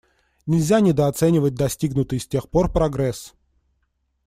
Нельзя недооценивать достигнутый с тех пор прогресс.